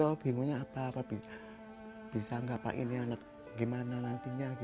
ada sedikit akses fighters terkontaktif oleh udara tentara juga ini